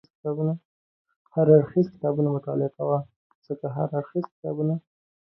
هر اړخیز کتابونه مطالعه کوه، ځکه هر اړخیز کتابونه